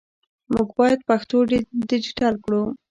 موږ باید پښتو ډیجیټل کړو